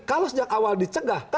kalau sejak awal dicegah